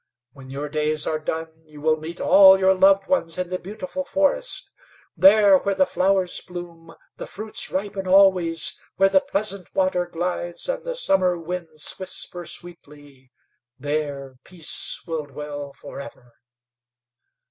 When your days are done you will meet all your loved ones in the beautiful forest. There, where the flowers bloom, the fruits ripen always, where the pleasant water glides and the summer winds whisper sweetly, there peace will dwell forever.